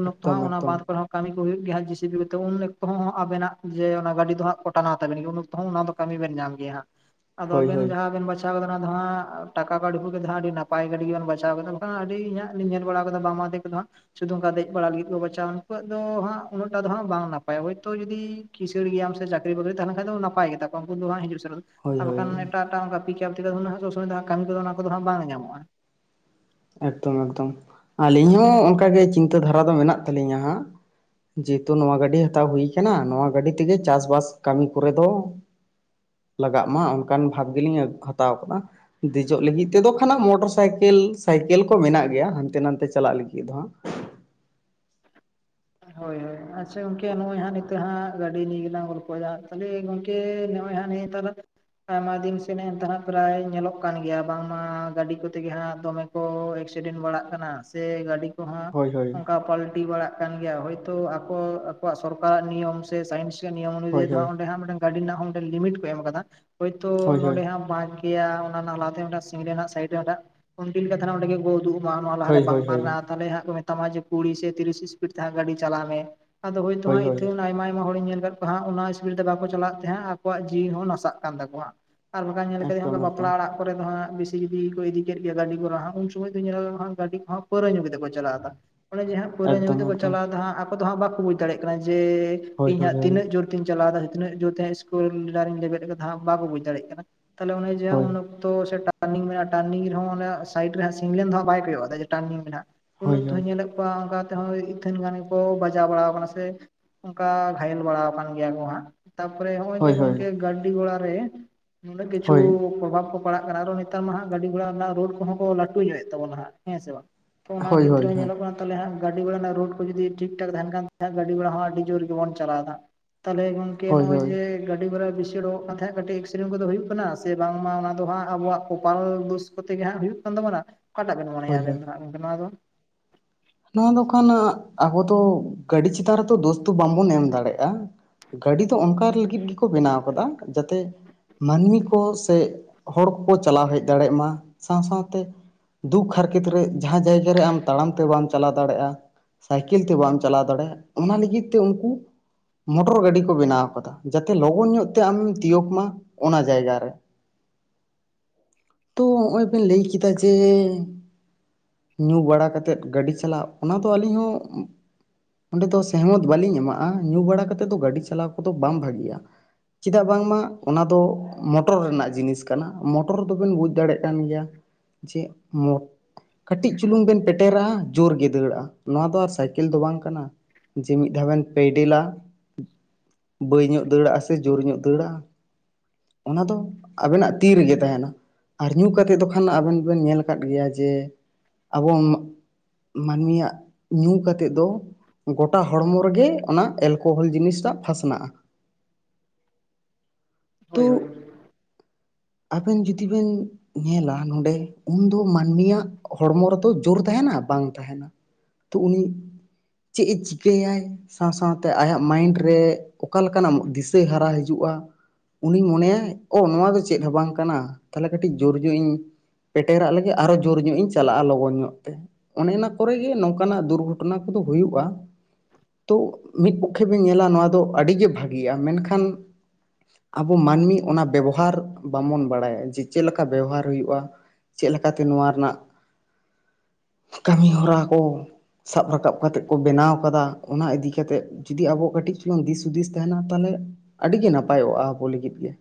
ᱩᱱ ᱚᱠᱛᱚ ᱮᱠᱫᱚᱢ ᱚᱱᱟ ᱮᱠᱫᱚᱢ ᱵᱟᱫ ᱠᱚᱨᱮ ᱦᱚᱸ ᱠᱟᱹᱢᱤ ᱠᱚ ᱦᱩᱭᱩᱜ ᱜᱮᱭᱟ ᱛᱤᱡᱩᱜᱮᱛᱚ ᱩᱱ ᱚᱠᱛᱚ ᱦᱚᱸ ᱟᱵᱮᱱᱟᱜ ᱡᱮ ᱚᱱᱟ ᱜᱟᱹᱰᱤ ᱫᱚ ᱦᱟᱸᱜ ᱴᱟᱱᱟᱭ ᱛᱟᱵᱮᱱ ᱜᱮᱭᱟ ᱩᱱ ᱚᱠᱛᱚ ᱚᱱᱟ ᱫᱚ ᱠᱟᱹᱢᱤ ᱵᱮᱱ ᱧᱟᱢ ᱜᱮᱭᱟ ᱦᱟᱸᱜ ᱟᱫᱚ ᱦᱳᱭ ᱟᱵᱮᱱ ᱦᱳᱭ ᱡᱟᱦᱟᱸ ᱵᱮᱱ ᱵᱟᱪᱷᱟ ᱵᱟᱪᱟᱣ ᱦᱟᱸᱜ ᱴᱟᱠᱟ ᱠᱟᱹᱣᱰᱤ ᱦᱩᱭ ᱠᱟᱛᱮ ᱟᱹᱰᱤ ᱱᱟᱯᱟᱭ ᱜᱟᱹᱰᱤ ᱜᱮᱵᱚᱱ ᱵᱟᱪᱟᱣ ᱠᱮᱫᱟ ᱵᱟᱝᱠᱷᱟᱱ ᱟᱹᱰᱤ ᱤᱧᱟᱹᱜ ᱤᱧ ᱧᱮᱞ ᱵᱟᱲᱟ ᱠᱟᱫᱟ ᱵᱟᱝ ᱢᱟ ᱚᱫᱮ ᱠᱚᱫᱚ ᱦᱟᱸᱜ ᱥᱩᱫᱩᱝᱠᱟ ᱫᱮᱡ ᱵᱟᱲᱟ ᱞᱟᱹᱜᱤᱫ ᱠᱚ ᱵᱟᱪᱷᱟᱣᱟ ᱩᱱᱠᱩᱣᱟᱜ ᱫᱚ ᱦᱟᱸᱜ ᱩᱱᱟᱹᱜ ᱚᱱᱠᱟ ᱫᱚ ᱦᱟᱜ ᱵᱟᱝ ᱱᱟᱯᱟᱭᱟ ᱦᱚᱭᱛᱚ ᱡᱩᱫᱤ ᱠᱤᱥᱟᱲ ᱜᱮᱭᱟᱢ ᱥᱮ ᱪᱟᱠᱨᱤ ᱵᱟᱤᱨᱤ ᱛᱟᱦᱮ ᱞᱮᱱᱠᱷᱟᱱ ᱫᱚ ᱱᱟᱯᱟᱭ ᱜᱮ ᱛᱟᱠᱚᱣᱟ ᱩᱱᱠᱩ ᱫᱚ ᱦᱟᱜ ᱦᱤᱡᱩᱜ ᱥᱮᱱᱮᱜ ᱦᱳᱭ ᱟᱨ ᱦᱳᱭ ᱵᱟᱠᱷᱟᱱ ᱮᱴᱟᱜ ᱮᱴᱟᱜ ᱚᱱᱠᱟ ᱯᱤᱠᱟᱯ ᱥᱚᱵᱥᱚᱢᱚᱭ ᱠᱟᱹᱢᱤ ᱠᱚᱫᱚ ᱚᱱᱟ ᱠᱚᱫᱚ ᱦᱟᱜ ᱵᱟᱝ ᱧᱟᱢᱚᱜ-ᱟ ᱮᱠᱫᱚᱢ ᱮᱠᱫᱚᱢ ᱟᱹᱞᱤᱧ ᱦᱚᱸ ᱚᱱᱠᱟᱜᱮ ᱪᱤᱱᱛᱟᱹ ᱫᱷᱟᱨᱟ ᱫᱚ ᱢᱮᱱᱟᱜ ᱛᱟᱹᱞᱤᱧᱟ ᱦᱟᱸᱜ ᱡᱮᱦᱮᱛᱩ ᱱᱚᱣᱟ ᱜᱟᱹᱰᱤ ᱦᱟᱛᱟᱣ ᱦᱩᱭ ᱠᱟᱱᱟ ᱱᱚᱣᱟ ᱜᱟᱹᱰᱤ ᱛᱮᱜᱮ ᱪᱟᱥᱵᱟᱥ ᱠᱟᱹᱢᱤ ᱠᱚᱨᱮ ᱫᱚ ᱞᱟᱜᱟᱜ ᱢᱟ ᱚᱱᱠᱟᱱ ᱵᱷᱟᱠ ᱜᱮᱞᱤᱧ ᱦᱟᱛᱟᱣ ᱠᱟᱜ-ᱟ ᱫᱮᱡᱚᱜ ᱞᱟᱹᱜᱤᱫ ᱛᱮᱫᱚ ᱠᱷᱟᱱᱟᱝ ᱢᱚᱴᱚᱨ ᱥᱟᱭᱠᱮᱞ ᱥᱟᱭᱠᱮᱞ ᱠᱚ ᱢᱮᱱᱟᱜ ᱜᱮᱭᱟ ᱦᱟᱱᱛᱮ ᱱᱟᱛᱮ ᱪᱟᱞᱟᱜ ᱞᱟᱹᱜᱤᱫ ᱦᱚᱸ ᱦᱟᱸᱜ ᱦᱚᱭ ᱦᱚᱭ ᱟᱪᱪᱷᱟ ᱜᱚᱝᱠᱮ ᱱᱚᱜ-ᱚᱭ ᱦᱟᱸᱜ ᱱᱤᱛᱚᱜ ᱦᱟᱸ ᱜᱟᱹᱰᱤ ᱱᱤᱭᱟ ᱞᱟᱝ ᱜᱚᱞᱯᱚ ᱮᱫᱟ ᱛᱟᱦᱞᱮ ᱜᱚᱢᱠᱮ ᱛᱮ ᱱᱚᱭ ᱦᱟᱸᱜ ᱱᱤᱭᱟ ᱫᱷᱟᱣ ᱫᱚ ᱟᱭᱢᱟ ᱫᱤᱱ ᱥᱮᱱᱮᱜ ᱮᱢ ᱛᱟᱦᱮᱱ ᱯᱨᱟᱭ ᱧᱮᱞᱚᱜ ᱠᱟᱱ ᱜᱮᱭᱟ ᱵᱟᱝᱢᱟ ᱜᱟᱹᱰᱤ ᱠᱚᱛᱮᱜᱮ ᱦᱟᱸᱜ ᱫᱚᱢᱮ ᱠᱚ ᱮᱠᱥᱤᱰᱮᱱᱴ ᱵᱟᱲᱟᱜ ᱠᱟᱱᱟ ᱥᱮ ᱜᱟᱹᱰᱤ ᱠᱚᱦᱚᱸ ᱦᱳᱭ ᱦᱳᱭ ᱚᱱᱠᱟ ᱯᱟᱞᱴᱤ ᱵᱟᱲᱟᱜ ᱠᱟᱱ ᱜᱮᱭᱟ ᱦᱚᱭᱛᱚ ᱟᱠᱚ ᱟᱠᱚᱣᱟᱜ ᱥᱚᱨᱠᱟᱨᱟᱜ ᱱᱤᱭᱚᱢ ᱥᱮ ᱥᱟᱭᱮᱱᱥ ᱨᱮᱭᱟᱜ ᱱᱤᱭᱚᱢ ᱦᱳᱭ ᱚᱱᱩᱡᱟᱭᱤ ᱦᱳᱭ ᱦᱟᱸᱜ ᱚᱸᱰᱮ ᱦᱟᱸᱜ ᱢᱤᱫᱴᱟᱝ ᱜᱟᱹᱰᱤ ᱨᱮᱱᱟᱜ ᱦᱚ ᱢᱮᱫᱴᱟᱝ ᱞᱤᱢᱤᱴ ᱠᱚ ᱮᱢ ᱠᱟᱫᱟ ᱦᱚᱭᱛᱚ ᱦᱳᱭ ᱱᱚᱰᱮ ᱦᱳᱭ ᱦᱟᱸᱜ [unintelligible] ᱮᱭᱟ ᱚᱱᱟ ᱱᱟᱜ ᱟᱱᱟ ᱫᱤᱱ ᱨᱮᱱᱟᱜ ᱥᱤᱝ ᱨᱮᱱᱟᱜ ᱥᱟᱦᱤ ᱨᱮ ᱩᱱᱫᱤᱱ ᱚᱰᱮ ᱜᱮᱠᱚ ᱩᱫᱩᱜᱼᱟ ᱱᱚᱣᱟ ᱱᱚᱣᱟ ᱞᱟᱦᱟᱨᱮ ᱦᱳᱭ ᱵᱟᱢᱯᱟᱨ ᱦᱳᱭ ᱢᱮᱱᱟᱜ-ᱟ ᱛᱟᱦᱞᱮ ᱦᱟᱸᱜ ᱠᱚ ᱢᱮᱛᱟᱢᱟ ᱡᱮ ᱠᱩᱲᱤ ᱥᱮ ᱛᱤᱨᱤᱥ ᱤᱥᱯᱤᱰ ᱛᱮ ᱦᱟᱸᱜ ᱜᱟᱺᱰᱤ ᱪᱟᱞᱟᱣ ᱢᱮ ᱟᱫᱚ ᱦᱳᱭᱛᱚ ᱦᱳᱭ ᱦᱳᱭ ᱦᱟᱸᱜ ᱦᱳᱭ ᱤᱛᱟᱹ ᱟᱭᱢᱟ ᱟᱭᱢᱟ ᱦᱚᱲᱤᱧ ᱧᱮᱞ ᱠᱟᱫ ᱦᱟᱸᱜ ᱚᱱᱟ ᱤᱥᱯᱤᱰ ᱛᱮ ᱵᱟᱠᱚ ᱪᱟᱞᱟᱜ ᱛᱮ ᱦᱟᱸᱜ ᱟᱠᱚᱣᱟᱜ ᱡᱤᱣᱤ ᱦᱚᱸ ᱱᱟᱥᱟᱜ ᱠᱟᱱ ᱛᱟᱠᱚᱣᱟ ᱟᱨ ᱵᱟᱠᱦᱟᱡ ᱧᱮᱞ ᱠᱟᱫᱟᱧ ᱦᱚᱸᱜ ᱮᱠᱫᱚᱢ ᱚ ᱱᱚᱝᱠᱟ ᱵᱟᱯᱞᱟ ᱮᱠᱫᱚᱢ ᱚᱲᱟᱜ ᱠᱚᱨᱮ ᱫᱚ ᱦᱟᱸᱜ ᱵᱮᱥᱤ ᱡᱩᱫᱤ ᱠᱚ ᱤᱫᱤ ᱠᱮᱫ ᱯᱚᱨᱮ ᱫᱚ ᱦᱟᱸᱜ ᱵᱤᱥᱤ ᱡᱩᱫᱤ ᱠᱚ ᱤᱫᱤ ᱠᱮᱫ ᱜᱮ ᱜᱟᱹᱰᱤ ᱜᱚᱨᱟ ᱦᱟᱸᱜ ᱩᱱ ᱥᱚᱢᱚᱭ ᱫᱩᱧ ᱧᱮᱞ ᱦᱟᱜ ᱜᱟᱹᱰᱤ ᱠᱚᱦᱚᱸ ᱯᱟᱹᱣᱨᱟᱹ ᱧᱩ ᱠᱮᱛᱮ ᱠᱚ ᱪᱟᱞᱟᱜ-ᱟ ᱚᱱᱮ ᱡᱮ ᱦᱟᱸᱜ ᱯᱟᱹᱨᱟᱹ ᱧᱩ ᱮᱠᱫᱚᱢ ᱠᱟᱛᱮ ᱠᱚ ᱮᱠᱫᱚᱢ ᱪᱟᱞᱟᱣᱫᱟ ᱦᱟᱸᱜ ᱟᱠᱚ ᱫᱚ ᱦᱟᱸᱜ ᱵᱟᱠᱚ ᱵᱩᱪ ᱫᱟᱲᱮᱭᱟᱜ ᱠᱟᱱᱟ ᱡᱮ ᱦᱳᱭ ᱤᱧ ᱦᱳᱭ ᱦᱟᱸᱜ ᱦᱳᱭ ᱛᱤᱱᱟᱹᱜ ᱡᱳᱨ ᱛᱤᱧ ᱪᱟᱞᱟᱣ ᱫᱟ ᱦᱟᱸᱜ ᱛᱤᱱᱟᱹᱜ ᱡᱳᱨ ᱛᱮ ᱤᱥᱠᱩᱞᱰᱟᱨᱤᱧ ᱞᱮᱵᱮᱫ ᱠᱟᱫᱟ ᱦᱟᱸᱜ ᱵᱟᱠᱚ ᱵᱩᱡᱽ ᱫᱟᱲᱮᱜ ᱠᱟᱱᱟ ᱛᱟᱦᱞᱮ ᱚᱱᱮ ᱡᱮ ᱦᱳᱭ ᱦᱟᱸᱜ ᱛᱚ ᱥᱮ ᱴᱟᱨᱱᱤᱝ ᱢᱮᱱᱟᱜ-ᱟ ᱴᱟᱨᱱᱤᱝ ᱨᱮᱦᱚᱸ ᱚᱱᱮ ᱦᱟᱜ ᱥᱟᱭᱤᱰ ᱨᱮ ᱥᱤᱝᱞᱮᱱ ᱫᱚ ᱦᱟᱸᱜ ᱵᱟᱭ ᱠᱚᱭᱚᱜ ᱟᱫᱟ ᱡᱮ ᱴᱟᱨᱱᱤᱝ ᱢᱮᱱᱟᱜ-ᱟ ᱩᱱ ᱦᱳᱭ ᱩᱠᱛᱚ ᱦᱳᱭ ᱡᱟᱜ ᱧᱮᱞᱮᱫ ᱠᱚᱣᱟ ᱚᱱᱠᱟ ᱛᱮᱦᱚᱸ ᱛᱷᱮᱱ ᱜᱟᱱ ᱜᱮ ᱠᱚ ᱵᱟᱡᱟᱣ ᱵᱟᱲᱟ ᱠᱟᱱᱟ ᱥᱮ ᱚᱱᱠᱟ ᱜᱷᱟᱭᱮᱞ ᱵᱟᱲᱟᱣ ᱠᱟᱱ ᱜᱮᱭᱟ ᱠᱚ ᱦᱟᱸᱜ ᱛᱟ ᱯᱚᱨᱮ ᱦᱚᱜ-ᱚᱭ ᱡᱮ ᱦᱳᱭ ᱦᱳᱭ ᱜᱚᱝᱠᱮ ᱜᱟᱹᱰᱤ ᱜᱚᱲᱟ ᱨᱮ ᱱᱩᱱᱟᱜ ᱠᱤᱪᱩ ᱦᱳᱭ ᱯᱨᱚᱵᱷᱟᱯ ᱠᱚ ᱯᱟᱲᱟᱜ ᱠᱟᱱᱟ ᱟᱨᱦᱚ ᱱᱮᱛᱟᱨ ᱢᱟ ᱦᱜ ᱜᱟᱹᱰᱤ ᱜᱚᱲᱟ ᱨᱮᱱᱟᱜ ᱨᱳᱰ ᱠᱚᱦᱚᱸ ᱠᱚ ᱞᱟᱹᱴᱩᱭᱮᱜ ᱛᱟᱵᱚᱱᱟ ᱦᱟᱸᱜ ᱦᱮ ᱥᱮᱸ ᱵᱟᱝ ᱛᱚ ᱚᱱᱟ ᱦᱳᱭ ᱦᱳᱭ ᱠᱷᱮᱛᱨᱮ ᱨᱮᱦᱚ ᱦᱳᱭ ᱧᱮᱞᱚᱜ ᱠᱟᱱᱟ ᱛᱟᱞᱮ ᱦᱟᱸᱜ ᱜᱟᱹᱰᱤ ᱜᱷᱚᱲᱟ ᱨᱮᱱᱟᱜ ᱨᱳᱰ ᱠᱚ ᱡᱩᱫᱤ ᱴᱷᱤᱠ ᱴᱷᱟᱠ ᱛᱟᱦᱮᱱ ᱠᱟᱱ ᱜᱟᱹᱰᱤ ᱜᱷᱚᱲᱟ ᱦᱚᱸ ᱟᱹᱰᱤ ᱡᱳᱨ ᱜᱮᱵᱚᱱ ᱪᱟᱞᱟᱣᱫᱟ ᱛᱟᱞᱮ ᱜᱚᱝᱠᱮ ᱦᱳᱭ ᱱᱚᱜ-ᱚᱭ ᱦᱳᱭ ᱡᱮ ᱜᱟᱹᱰᱤ ᱠᱚᱨᱮ ᱵᱤᱥᱤ ᱚᱰᱚᱝᱚᱜ ᱠᱟᱱ ᱛᱟᱦᱮᱫ ᱠᱟᱹᱴᱤᱡ ᱮᱠᱥᱤᱰᱮᱱᱴ ᱠᱚᱫᱚ ᱦᱩᱭᱩᱜ ᱠᱟᱱᱟ ᱥᱮ ᱵᱟᱝᱢᱟ ᱚᱱᱟ ᱫᱚ ᱦᱟᱸᱜ ᱟᱵᱚᱣᱟᱜ ᱠᱚᱯᱟᱞ ᱠᱚᱯᱟᱞ ᱫᱳᱥ ᱥᱩᱛᱤ ᱜᱮ ᱦᱟᱸᱜ ᱦᱩᱭᱩᱜ ᱠᱟᱱ ᱛᱟᱵᱚᱱᱟ ᱚᱠᱟᱴᱟᱜ ᱵᱮᱱ ᱢᱚᱱᱮᱭᱟ ᱦᱳᱭ ᱟᱵᱮᱱ ᱦᱳᱭ ᱫᱚ ᱦᱟᱜ ᱱᱚᱣᱟ ᱫᱚ ᱱᱚᱣᱟ ᱫᱚ ᱠᱟᱱᱟ ᱟᱵᱚ ᱫᱚ ᱜᱟᱹᱰᱤ ᱪᱮᱛᱟᱱ ᱨᱮᱫᱚ ᱫᱳᱥ ᱫᱚ ᱵᱟᱝᱵᱚᱱ ᱮᱢ ᱫᱟᱲᱮᱜ-ᱟ ᱜᱟᱹᱰᱤ ᱫᱚ ᱚᱱᱠᱟ ᱞᱟᱹᱜᱤᱫ ᱜᱮᱠᱚ ᱵᱮᱱᱟᱣ ᱠᱟᱫᱟ ᱡᱟᱛᱮ ᱢᱟᱹᱱᱢᱤ ᱠᱚ ᱥᱮ ᱦᱚᱲ ᱠᱚ ᱪᱟᱞᱟᱣ ᱦᱮᱡ ᱫᱟᱲᱮᱭᱟᱜ ᱢᱟ ᱥᱟᱶ ᱥᱟᱶᱛᱮ ᱫᱩᱠ ᱦᱟᱨᱠᱮᱛ ᱨᱮ ᱡᱟᱦᱟᱸ ᱡᱟᱭᱜᱟ ᱨᱮ ᱟᱢ ᱛᱟᱲᱟᱢ ᱛᱮ ᱵᱟᱢ ᱪᱟᱞᱟᱣ ᱫᱟᱲᱮᱭᱟᱜ-ᱟ ᱥᱟᱭᱠᱮᱞ ᱛᱮ ᱵᱟᱢ ᱪᱟᱞᱟᱣ ᱫᱟᱲᱮᱭᱟᱜ ᱚᱱᱟ ᱞᱟᱹᱜᱤᱫ ᱛᱮ ᱩᱱᱠᱩ ᱢᱚᱴᱚᱨ ᱜᱟᱹᱰᱤ ᱠᱚ ᱵᱮᱱᱟᱣ ᱠᱟᱫᱟ ᱡᱟᱛᱮ ᱞᱚᱜᱚᱱ ᱧᱚᱜ ᱛᱮ ᱟᱢᱮᱢ ᱛᱤᱭᱳᱠ ᱢᱟ ᱚᱱᱟ ᱡᱟᱭᱜᱟ ᱨᱮ ᱛᱚ ᱦᱚᱜ ᱚᱭ ᱵᱮᱱ ᱞᱟᱹᱭ ᱠᱮᱫᱟ ᱡᱮ ᱧᱩ ᱵᱟᱲᱟ ᱠᱟᱛᱮᱫ ᱜᱟᱹᱰᱤ ᱪᱟᱞᱟᱜ ᱚᱱᱟ ᱫᱚ ᱟᱹᱞᱤᱧ ᱦᱚᱸ ᱚᱸᱰᱮ ᱫᱚ ᱥᱮᱦᱚᱢᱚᱛ ᱵᱟᱹᱞᱤᱧ ᱮᱢᱟᱜ-ᱟ ᱧᱩ ᱵᱟᱲᱟ ᱠᱟᱛᱮ ᱫᱚ ᱜᱟᱹᱰᱤ ᱪᱟᱞᱟᱣ ᱠᱚᱫᱚ ᱵᱟᱝ ᱵᱷᱟᱹᱜᱤᱭᱟ ᱪᱮᱫᱟᱜ ᱵᱟᱝᱢᱟ ᱚᱱᱟ ᱫᱚ ᱢᱚᱴᱚᱨ ᱨᱮᱱᱟᱜ ᱡᱤᱱᱤᱥ ᱠᱟᱱᱟ ᱢᱚᱴᱚᱨ ᱫᱚᱵᱮᱱ ᱵᱩᱡᱽ ᱫᱟᱲᱮᱭᱟᱜ ᱠᱟᱱ ᱜᱮᱭᱟ ᱪᱮᱜ ᱢᱚᱴ ᱠᱟᱹᱴᱤᱡ ᱪᱩᱞᱩᱝ ᱵᱮᱱ ᱯᱮᱴᱮᱨᱟ ᱡᱳᱨ ᱜᱮ ᱫᱟᱹᱲᱟᱜ-ᱟ ᱱᱚᱣᱟ ᱫᱚ ᱟᱨ ᱥᱟᱭᱠᱮᱞ ᱫᱚ ᱵᱟᱝ ᱠᱟᱱᱟ ᱡᱮ ᱢᱤᱫ ᱫᱷᱟᱣ ᱵᱮᱱ ᱯᱮᱭᱰᱮᱞᱟ ᱵᱟᱹᱭ ᱧᱚᱜ ᱫᱟᱹᱲᱟᱜ-ᱟ ᱥᱮ ᱡᱳᱨ ᱧᱚᱜ ᱫᱟᱹᱲᱟ ᱚᱱᱟ ᱫᱚ ᱟᱵᱮᱱᱟᱜ ᱛᱤ ᱨᱮᱜᱮ ᱛᱟᱦᱮᱱᱟ ᱟᱨ ᱧᱩ ᱠᱟᱛᱮᱫ ᱫᱚ ᱠᱷᱟᱱ ᱟᱵᱮᱱ ᱵᱮᱱ ᱧᱮᱞ ᱟᱠᱟᱫ ᱜᱮᱭᱟ ᱡᱮ ᱟᱵᱚ ᱢᱟᱹᱱᱢᱤᱭᱟᱜ ᱧᱩ ᱠᱟᱛᱮᱫ ᱫᱚ ᱜᱚᱴᱟ ᱦᱚᱲᱢᱚ ᱨᱮᱜᱮ ᱚᱱᱟ ᱮᱞ ᱠᱚᱦᱚᱞ ᱡᱤᱱᱤᱥᱴᱟᱜ ᱯᱷᱟᱥᱱᱟᱜᱼᱟ ᱦᱳᱭ ᱛᱩ ᱦᱳᱭ [inaudible] ᱟᱵᱮᱱ ᱡᱩᱫᱤ ᱵᱮᱱ ᱧᱮᱞᱟ ᱱᱚᱸᱰᱮ ᱩᱱᱫᱚ ᱢᱟᱹᱱᱢᱤᱭᱟᱜ ᱦᱚᱲᱢᱚ ᱨᱮᱫᱚ ᱡᱳᱨ ᱛᱟᱦᱮᱱᱟ ᱵᱟᱝ ᱛᱟᱦᱮᱱᱟ ᱛᱚ ᱩᱱᱤ ᱪᱮᱫ ᱮ ᱪᱤᱠᱟᱹᱭᱟᱭ ᱥᱟᱶ ᱥᱟᱶ ᱛᱮ ᱟᱭᱟᱜ ᱢᱟᱭᱤᱱᱰ ᱨᱮ ᱚᱠᱟ ᱞᱮᱠᱟᱱᱟᱜ ᱫᱤᱥᱟᱹ ᱦᱟᱨᱟ ᱦᱤᱡᱩᱜᱼᱟ ᱩᱱᱤᱧ ᱢᱚᱱᱮᱭᱟ ᱚ ᱱᱚᱣᱟ ᱫᱚ ᱪᱮᱫ ᱦᱚᱸ ᱵᱟᱝ ᱠᱟᱱᱟ ᱛᱟᱦᱚᱞᱮ ᱠᱟᱹᱴᱤᱡ ᱡᱳᱨ ᱧᱚᱜ ᱤᱧ ᱯᱮᱴᱮᱨᱟᱜ ᱞᱟᱹᱜᱤ ᱟᱨᱚ ᱡᱳᱨ ᱧᱚᱜ ᱤᱧ ᱪᱟᱞᱟᱜᱼᱟ ᱞᱚᱜᱚᱱ ᱧᱚᱜ ᱛᱮ ᱚᱱᱮ ᱚᱱᱟ ᱠᱚᱨᱮᱜ ᱜᱮ ᱱᱚᱝᱠᱟ ᱱᱟᱜ ᱫᱩᱨᱜᱷᱚᱴᱚᱱᱟ ᱠᱚᱫᱚ ᱦᱩᱭᱩᱜᱼᱟ ᱛᱚ ᱢᱤᱫ ᱯᱚᱠᱷᱮ ᱵᱤᱱ ᱧᱮᱞᱟ ᱱᱚᱣᱟ ᱫᱚ ᱟᱹᱰᱤᱜᱮ ᱵᱷᱟᱹᱜᱤᱭᱟ ᱢᱮᱱ ᱠᱷᱟᱱ ᱟᱵᱚ ᱢᱟᱹᱱᱢᱤ ᱚᱱᱟ ᱵᱮᱵᱚᱦᱟᱨ ᱵᱟᱵᱚᱱ ᱵᱟᱲᱟᱭᱟ ᱡᱮ ᱪᱮᱫ ᱞᱮᱠᱟ ᱵᱮᱣᱦᱟᱨ ᱦᱩᱭᱩᱜ-ᱟ ᱪᱮᱫ ᱞᱮᱠᱟᱛᱮ ᱱᱚᱣᱟ ᱨᱮᱱᱟᱜ ᱠᱟᱹᱢᱤ ᱦᱚᱨᱟ ᱠᱚ ᱥᱟᱵ ᱨᱟᱠᱟᱵ ᱠᱟᱛᱮ ᱠᱚ ᱵᱮᱱᱟᱣ ᱟᱠᱟᱫᱟ ᱚᱱᱟ ᱤᱫᱤ ᱠᱟᱛᱮᱫ ᱡᱩᱫᱤ ᱟᱵᱚ ᱠᱟᱹᱴᱤᱡ ᱪᱩᱞᱩᱝ ᱫᱤᱥ ᱦᱩᱫᱤᱥ ᱛᱟᱦᱮᱱᱟ ᱛᱟᱦᱚᱞᱮ ᱟᱹᱰᱤᱜᱮ ᱱᱟᱯᱟᱭᱚᱜᱼᱟ ᱟᱵᱚ ᱞᱟᱹᱜᱤᱫ ᱜᱮ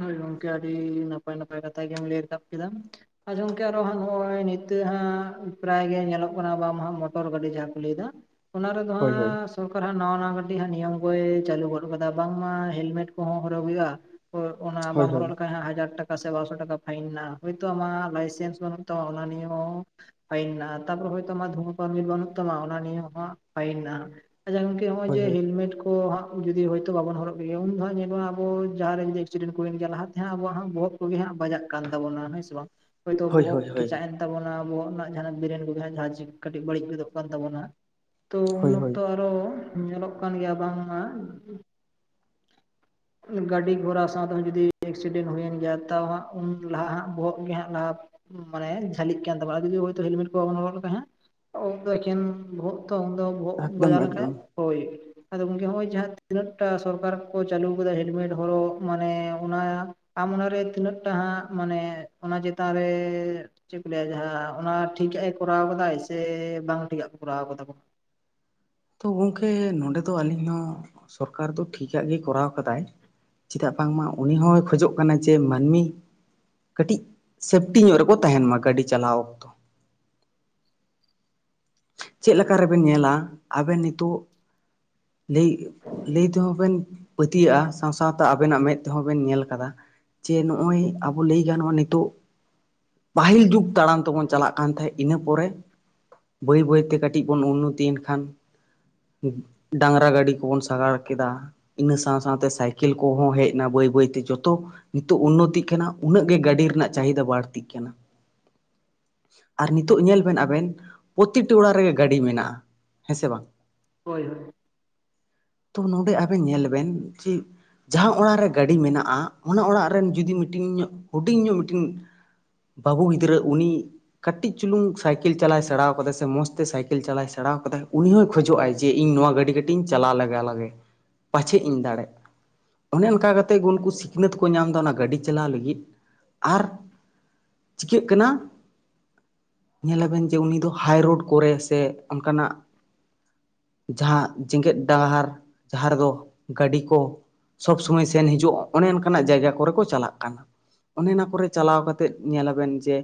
ᱦᱳᱭ ᱜᱚᱝᱠᱮ ᱟᱹᱰᱤ ᱱᱟᱯᱟᱭ ᱱᱟᱯᱟᱭ ᱠᱟᱛᱷᱟ ᱜᱮᱢ ᱞᱟᱹᱭ ᱨᱟᱠᱟᱵ ᱠᱮᱫᱟ ᱟᱪᱷᱟ ᱜᱚᱢᱠᱮ ᱟᱨᱚ ᱦᱟᱸᱜ ᱱᱚᱜᱼᱚᱭ ᱱᱤᱛᱚᱜ ᱦᱟᱸᱜ ᱯᱨᱟᱭ ᱜᱮ ᱧᱮᱞᱚᱜ ᱠᱟᱱᱟ ᱵᱟᱢ ᱦᱟᱸᱜ ᱢᱚᱴᱚᱨ ᱜᱟᱹᱰᱤ ᱡᱟᱦᱟᱸ ᱠᱚ ᱞᱟᱹᱭ ᱫᱟ ᱚᱱᱟ ᱨᱮᱫᱚ ᱦᱟᱸᱜ ᱦᱳᱭ ᱦᱳᱭ ᱥᱚᱨᱠᱟᱨᱟᱜ ᱱᱟᱣᱟ ᱱᱟᱣᱟ ᱠᱟᱹᱴᱤᱡ ᱦᱟᱸᱜ ᱱᱤᱭᱚᱢ ᱠᱚᱭ ᱪᱟᱹᱞᱩ ᱜᱚᱫ ᱟᱠᱟᱫᱟ ᱵᱟᱝᱢᱟ ᱦᱮᱞᱢᱮᱴ ᱠᱚᱦᱚᱸ ᱦᱚᱨᱚᱜ ᱦᱩᱭᱩᱜᱼᱟ ᱦᱚᱭ ᱚᱱᱟ ᱦᱳᱭ ᱵᱟᱢ ᱦᱳᱭ ᱦᱚᱨᱚᱜ ᱞᱮᱠᱷᱟᱡ ᱦᱟᱸᱜ ᱦᱟᱡᱟᱨ ᱴᱟᱠᱟ ᱵᱟᱨᱥᱚ ᱴᱟᱠᱟ ᱯᱷᱟᱭᱤᱱ ᱦᱚᱭᱛᱚ ᱟᱢᱟᱜ ᱞᱟᱭᱥᱮᱱᱥ ᱵᱟᱹᱱᱩᱜ ᱛᱟᱢᱟ ᱚᱱᱟ ᱱᱤᱭᱮ ᱦᱚᱸ ᱯᱷᱟᱹᱭᱤᱱ ᱱᱟᱜ ᱛᱟᱨᱯᱚᱨ ᱦᱚᱭᱛᱳ ᱟᱢᱟᱜ ᱫᱷᱩᱢᱟᱹ ᱯᱟᱨᱢᱤᱴ ᱵᱟᱹᱱᱩᱜ ᱛᱟᱢᱟ ᱚᱱᱟ ᱱᱤᱭᱮ ᱦᱚᱸ ᱯᱷᱟᱹᱭᱤᱱ ᱢᱮᱱᱟᱜᱼᱟ ᱱᱚᱜᱼᱚᱭ ᱦᱳᱭ ᱡᱮ ᱦᱳᱭ ᱦᱮᱞᱢᱮᱴ ᱠᱚ ᱡᱩᱫᱤ ᱦᱚᱭᱛᱳ ᱵᱟᱵᱚᱱ ᱦᱚᱨᱚᱜ ᱜᱮ ᱩᱱ ᱫᱚ ᱦᱟᱸᱜ ᱧᱮᱞᱚᱜᱼᱟ ᱟᱵᱚ ᱡᱟᱦᱟᱸ ᱨᱮ ᱡᱩᱫᱤ ᱮᱠᱥᱤᱰᱮᱱ ᱠᱚ ᱦᱩᱭᱮᱱ ᱜᱮᱭᱟ ᱞᱟᱦᱟᱛᱮ ᱦᱟᱸᱜ ᱟᱵᱚᱣᱟᱜ ᱵᱚᱦᱚᱜ ᱠᱚᱜᱮ ᱦᱟᱸᱜ ᱵᱟᱡᱟᱜ ᱠᱟᱱ ᱛᱟᱵᱚᱱᱟ ᱦᱮᱸ ᱥᱮ ᱵᱟᱝ ᱦᱳᱭᱛᱳ ᱦᱳᱭ ᱵᱚᱦᱚᱜ ᱦᱳᱭ ᱦᱳᱭ ᱠᱮᱪᱟᱜ ᱮᱱ ᱛᱟᱵᱚᱱᱟ ᱟᱵᱚᱣᱟᱜ ᱡᱟᱦᱟᱸᱱᱟᱜ ᱵᱨᱮᱱ ᱠᱚ ᱡᱟᱦᱟᱸ ᱠᱟᱹᱴᱤᱡ ᱵᱟᱹᱲᱤᱡ ᱜᱚᱫᱚᱜ ᱠᱟᱱ ᱛᱟᱵᱚᱱᱟ ᱛᱚ ᱩᱱ ᱦᱳᱭ ᱦᱳᱭ ᱚᱠᱛᱚ ᱟᱨᱚ ᱧᱮᱞᱚᱜ ᱠᱟᱱ ᱜᱮᱭᱟ ᱵᱟᱝᱢᱟ [inaudible] ᱜᱟᱹᱰᱤ ᱜᱷᱚᱲᱟ ᱥᱟᱶᱛᱮ ᱡᱩᱫᱤ ᱮᱠᱥᱤᱰᱮᱱᱴ ᱦᱩᱭᱮᱱ ᱜᱮᱭᱟ ᱛᱟᱣ ᱦᱟᱸᱜ ᱩᱱ ᱞᱟᱦᱟ ᱦᱟᱸᱜ ᱵᱚᱦᱚᱜ ᱜᱮ ᱦᱟᱸᱜ ᱞᱟᱦᱟ ᱢᱟᱱᱮ ᱡᱷᱟᱹᱞᱤᱜ ᱠᱟᱱ ᱛᱟᱵᱚᱱᱟ ᱡᱚᱫᱤ ᱦᱚᱭᱛᱚ ᱦᱮᱞᱢᱮᱴ ᱠᱚ ᱵᱟᱵᱚᱱ ᱦᱚᱨᱚᱜ ᱞᱮᱠᱷᱟᱱ ᱦᱟᱸᱜ ᱩᱱ ᱫᱚ ᱮᱠᱮᱱ ᱵᱚᱦᱚᱜ ᱛᱚ ᱩᱱᱫᱚ ᱵᱚᱦᱚᱜ ᱮᱠᱫᱚᱢ ᱵᱟᱡᱟᱣ ᱞᱮᱱᱠᱷᱟᱡ ᱮᱠᱫᱚᱢ ᱦᱳᱭ ᱟᱫᱚ ᱜᱚᱢᱠᱮ ᱦᱚᱸᱜ ᱚᱭ ᱡᱟᱦᱟᱸ ᱛᱤᱱᱟᱹᱜ ᱴᱟ ᱥᱚᱨᱠᱟᱨ ᱠᱚ ᱪᱟᱹᱞᱩ ᱟᱠᱟᱫᱟ ᱦᱮᱞᱢᱮᱴ ᱦᱚᱨᱚᱜ ᱢᱟᱱᱮ ᱚᱱᱟ ᱟᱢ ᱚᱱᱟᱨᱮ ᱛᱤᱱᱟᱹᱜ ᱴᱟᱜ ᱢᱟᱱᱮ ᱚᱱᱟ ᱪᱮᱛᱟᱱ ᱨᱮ ᱪᱮᱫ ᱠᱚ ᱞᱟᱹᱭᱟ ᱡᱟᱦᱟᱸ ᱚᱱᱟ ᱴᱷᱤᱠᱼᱟ ᱠᱚᱨᱟᱣ ᱠᱟᱫᱟᱭ ᱥᱮ ᱵᱟᱝ ᱴᱷᱤᱠ ᱟᱜ ᱠᱚ ᱠᱚᱨᱟᱣ ᱟᱠᱟᱫᱟ ᱠᱚ ᱛᱚ ᱜᱚᱝᱠᱮ ᱱᱚᱰᱮ ᱫᱚ ᱟᱹᱞᱤᱧ ᱦᱚᱸ ᱥᱚᱨᱠᱟᱨ ᱫᱚ ᱴᱷᱤᱠᱟ ᱜᱮ ᱠᱚᱨᱟᱣ ᱟᱠᱟᱫᱟᱭ ᱪᱮᱫᱟᱜ ᱵᱟᱝᱢᱟ ᱩᱱᱤ ᱦᱚᱸᱭ ᱠᱷᱚᱡᱚᱜ ᱠᱟᱱᱟ ᱡᱮ ᱢᱟᱹᱱᱢᱤ ᱠᱟᱹᱴᱤᱡ ᱥᱮᱯᱴᱤ ᱧᱚᱜ ᱨᱮᱠᱚ ᱛᱟᱦᱮᱱ ᱢᱟ ᱜᱟᱹᱰᱤ ᱪᱟᱞᱟᱣ ᱪᱮᱫ ᱞᱮᱠᱟ ᱨᱮᱵᱮᱱ ᱧᱮᱞᱟ ᱟᱵᱮᱱ ᱱᱤᱛᱚᱜ ᱞᱟᱹᱭ ᱞᱟᱹᱭ ᱛᱮᱦᱚᱸ ᱵᱮᱱ ᱯᱟᱹᱛᱭᱟᱹᱜᱼᱟ ᱥᱟᱶ ᱥᱟᱶᱛᱮ ᱟᱵᱮᱱᱟᱜ ᱢᱮᱸᱫ ᱛᱮᱦᱚᱸ ᱵᱮᱱ ᱧᱮᱞ ᱟᱠᱟᱫᱟ ᱡᱮ ᱱᱚᱜᱼᱚᱭ ᱟᱵᱚ ᱞᱟᱹᱭ ᱜᱟᱱᱚᱜᱼᱟ ᱱᱤᱛᱚᱜ ᱯᱟᱹᱦᱤᱞ ᱡᱩᱜᱽ ᱛᱟᱲᱟᱢ ᱛᱮᱵᱚᱱ ᱪᱟᱞᱟᱜ ᱠᱟᱱ ᱛᱟᱦᱮᱸᱫ ᱤᱱᱟᱹ ᱯᱚᱨᱮ ᱵᱟᱹᱭ ᱵᱟᱹᱭ ᱛᱮ ᱠᱟᱹᱴᱤᱡ ᱵᱚᱱ ᱩᱱᱱᱚᱛᱤᱭ ᱮᱱ ᱠᱷᱟᱱ ᱰᱟᱝᱨᱟ ᱜᱟᱹᱰᱤ ᱠᱚᱵᱚᱱ ᱥᱟᱜᱟᱲ ᱠᱮᱫᱟ ᱾ ᱤᱱᱟᱹ ᱥᱟᱶ ᱥᱟᱶᱛᱮ ᱥᱟᱭᱠᱮᱞ ᱠᱚᱦᱚᱸ ᱦᱮᱡ ᱮᱱᱟ ᱵᱟᱹᱭ ᱵᱟᱹᱭᱛᱮ ᱡᱚᱛᱚ ᱱᱤᱛᱚᱜ ᱩᱱᱱᱚᱛᱤᱜ ᱠᱟᱱᱟ ᱩᱱᱟᱹᱜ ᱜᱮ ᱜᱟᱹᱰᱤ ᱨᱮᱱᱟᱜ ᱪᱟᱦᱤᱫᱟ ᱵᱟᱹᱲᱛᱤᱜ ᱠᱟᱱᱟ [inaudible] ᱟᱨ ᱱᱤᱛᱚᱜ ᱧᱮᱞ ᱵᱮᱱ ᱟᱵᱮᱱ ᱯᱨᱚᱛᱤᱴᱤ ᱚᱲᱟᱜ ᱨᱮᱜᱮ ᱜᱟᱹᱰᱤ ᱢᱮᱱᱟᱜᱼᱟ ᱦᱮᱸ ᱥᱮ ᱵᱟᱝ ᱦᱳᱭ ᱦᱳᱭ ᱛᱚ ᱱᱚᱰᱮ ᱟᱵᱮᱱ ᱧᱮᱞ ᱵᱮᱱ ᱡᱮ ᱡᱟᱦᱟᱸ ᱚᱲᱟᱜ ᱨᱮ ᱜᱟᱹᱰᱤ ᱢᱮᱱᱟᱜᱼᱟ ᱚᱱᱟ ᱚᱲᱟᱜ ᱨᱮᱱ ᱡᱩᱫᱤ ᱢᱤᱫᱴᱤᱱ ᱧᱚᱜ ᱦᱩᱰᱤᱧ ᱧᱚᱜ ᱢᱤᱫᱴᱤᱱ ᱵᱟᱹᱵᱩ ᱜᱤᱫᱽᱨᱟᱹ ᱩᱱᱤ ᱠᱟᱹᱴᱤᱡ ᱪᱩᱞᱩᱝ ᱥᱟᱭᱠᱮᱞ ᱪᱟᱞᱟᱟᱭ ᱥᱮᱬᱟ ᱠᱟᱫᱟᱭ ᱥᱮ ᱢᱚᱸᱡᱽ ᱛᱮ ᱥᱟᱭᱠᱮᱞ ᱪᱟᱟᱞᱟᱭ ᱥᱮᱬᱟ ᱠᱟᱫᱟᱭ ᱩᱱᱤ ᱦᱚᱸᱭ ᱠᱷᱚᱡᱚᱜ ᱟᱭ ᱡᱮ ᱤᱧ ᱱᱚᱣᱟ ᱜᱟᱹᱰᱤ ᱠᱟᱹᱴᱤᱡ ᱤᱧ ᱪᱟᱞᱟᱣ ᱞᱮᱟᱜᱟ ᱞᱟᱜᱮ ᱯᱟᱪᱷᱮᱜ ᱤᱧ ᱫᱟᱲᱮᱜ ᱚᱱᱮ ᱚᱱᱠᱟ ᱠᱟᱛᱮᱫ ᱜᱮ ᱩᱱᱠᱩ ᱥᱤᱠᱷᱱᱟᱹᱛ ᱠᱚ ᱧᱟᱢ ᱮᱫᱟ ᱚᱱᱟ ᱜᱟᱹᱰᱤ ᱪᱟᱞᱟᱣ ᱞᱟᱹᱜᱤᱫ ᱟᱨ ᱪᱤᱠᱟᱹᱜ ᱠᱟᱱᱟ ᱧᱮᱞᱟᱵᱮᱱ ᱡᱮ ᱩᱱᱤ ᱫᱚ ᱦᱟᱭᱨᱳᱰ ᱠᱚᱨᱮ ᱥᱮ ᱚᱱᱠᱟᱱᱟᱜ ᱡᱟᱦᱟᱸ ᱡᱮᱜᱮᱛ ᱰᱟᱦᱟᱨ ᱡᱟᱦᱟᱸ ᱨᱮᱫᱚ ᱜᱟᱹᱰᱤ ᱠᱚ ᱥᱚᱵᱽ ᱥᱚᱢᱚᱭ ᱥᱮᱱ ᱦᱤᱡᱩᱜᱼᱟ ᱚᱱᱮ ᱚᱱᱠᱟᱱᱟᱜ ᱡᱟᱭᱜᱟ ᱠᱚᱨᱮ ᱠᱚ ᱪᱟᱞᱟᱜ ᱠᱟᱱᱟ ᱚᱱᱮ ᱚᱱᱟ ᱠᱚᱨᱮ ᱪᱟᱞᱟᱣ ᱠᱟᱛᱮᱫ ᱧᱮᱞᱞᱟᱵᱮᱱ ᱡᱮ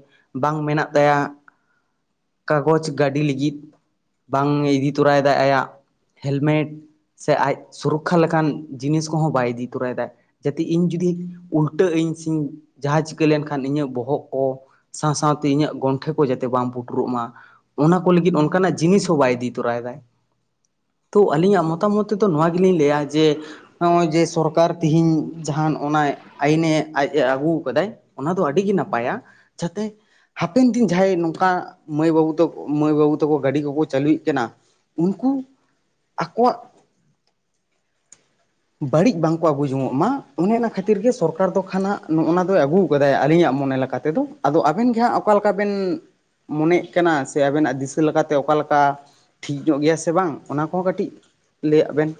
ᱵᱟᱝ ᱢᱮᱱᱟᱜ ᱛᱟᱭᱟ ᱠᱟᱜᱚᱡᱽ ᱜᱟᱹᱰᱤ ᱞᱟᱹᱜᱤᱫ ᱵᱟᱝ ᱤᱫᱤ ᱛᱚᱨᱟᱭᱮᱫᱟᱭ ᱟᱭᱟᱜ ᱦᱮᱞᱢᱮᱴ ᱥᱮ ᱟᱡ ᱥᱩᱨᱚᱠᱠᱷᱟ ᱞᱮᱠᱟᱱ ᱡᱤᱱᱤᱥ ᱠᱚᱦᱚᱸ ᱵᱟᱭ ᱤᱫᱤ ᱛᱚᱨᱟᱭᱮᱫᱟ ᱾ ᱡᱟᱛᱮ ᱤᱧ ᱡᱩᱫᱤ ᱩᱞᱴᱟᱹᱜ ᱟᱹᱧ ᱥᱮ ᱡᱟᱦᱟᱸ ᱪᱤᱠᱟᱹ ᱞᱮᱱᱠᱷᱟᱱ ᱤᱧᱟᱹᱜ ᱵᱚᱦᱚᱜ ᱠᱚ ᱥᱟᱶ ᱥᱟᱶᱛᱮ ᱤᱧᱟᱹᱜ ᱜᱚᱱᱴᱷᱮ ᱠᱚ ᱡᱟᱛᱮ ᱵᱟᱝ ᱯᱩᱴᱩᱨᱚᱜ ᱢᱟ ᱚᱱᱟ ᱠᱚ ᱞᱟᱹᱜᱤᱫ ᱚᱱᱠᱟᱱᱟᱜ ᱡᱤᱱᱤᱥ ᱦᱚᱸ ᱵᱟᱭ ᱤᱫᱤ ᱛᱚᱨᱟᱭᱮᱫᱟᱭ ᱛᱚ ᱟᱹᱞᱤᱧᱟᱜ ᱢᱚᱛᱟᱢᱚᱛ ᱛᱮᱫᱚ ᱱᱚᱣᱟ ᱜᱮᱞᱤᱧ ᱞᱟᱹᱭᱟ ᱡᱮ ᱱᱚᱜᱼᱚᱭ ᱡᱮ ᱥᱚᱨᱠᱟᱨ ᱛᱤᱦᱤᱧ ᱡᱟᱦᱟᱱ ᱚᱱᱟ ᱟᱭᱤᱱᱮ ᱟᱡ ᱟᱹᱜᱩ ᱠᱟᱫᱟᱭ ᱚᱱᱟ ᱫᱚ ᱟᱹᱰᱤ ᱜᱮ ᱱᱟᱯᱟᱭᱟ ᱡᱟᱛᱮ ᱦᱟᱯᱮᱱ ᱫᱤᱱ ᱡᱟᱦᱟᱸᱭ ᱱᱚᱝᱠᱟ ᱢᱟᱹᱭ ᱵᱟᱹᱵᱩ ᱛᱟᱠᱚ ᱢᱟᱹᱭ ᱵᱟᱹᱵᱩ ᱛᱟᱠᱚ ᱜᱟᱹᱰᱤ ᱠᱚᱠᱚ ᱪᱟᱹᱞᱩᱭᱮᱫ ᱠᱟᱱᱟ ᱩᱱᱠᱩ ᱟᱠᱚᱣᱟᱜ [inaudible] ᱵᱟᱹᱲᱤᱡ ᱵᱟᱝᱠᱚ ᱟᱹᱜᱩ ᱡᱚᱝᱚᱜ ᱢᱟ ᱚᱱᱮ ᱚᱱᱟ ᱠᱷᱟᱹᱛᱤᱨ ᱜᱮ ᱥᱚᱨᱠᱟᱨ ᱫᱚ ᱠᱷᱱᱟᱜ ᱱᱚᱜᱼᱱᱟ ᱫᱚᱭ ᱟᱹᱜᱩ ᱠᱟᱫᱟᱭ ᱟᱹᱞᱤᱧᱟᱜ ᱢᱚᱱᱮ ᱞᱮᱠᱟ ᱠᱟᱛᱮᱫᱚ ᱟᱫᱚ ᱟᱵᱮᱱ ᱜᱮ ᱦᱟᱸᱜ ᱚᱠᱟ ᱞᱮᱠᱟ ᱵᱮᱱ ᱢᱚᱱᱮᱭᱮᱫ ᱠᱟᱱᱟ ᱥᱮ ᱟᱵᱮᱱᱟᱜ ᱫᱤᱥᱟᱹ ᱞᱮᱠᱟᱛᱮ ᱚᱠᱟ ᱞᱮᱠᱟ ᱴᱷᱤᱠ ᱧᱚᱜ ᱜᱮᱭᱟ ᱥᱮ ᱵᱟᱝ ᱚᱱᱟ ᱠᱚᱦᱚᱸ ᱠᱟᱹᱴᱤᱡ ᱞᱟᱹᱭ ᱟᱫ ᱵᱮᱱ